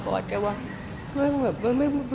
ลองฟังเสียงช่วงนี้ดูค่ะ